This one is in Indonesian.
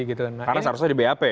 karena seharusnya di bap